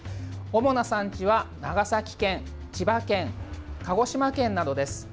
主な産地は長崎県、千葉県鹿児島県などです。